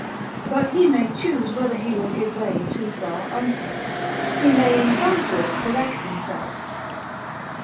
But he may choose whether he will give way too far unto it, he may in some sort correct himself.